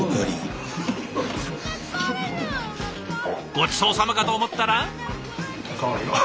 ごちそうさまかと思ったら。